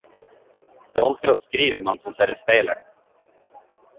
Det er vanskelig å skrive mens man ser i speilet.